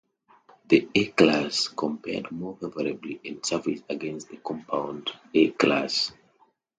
The A class compared more favourably in service against the compound A class.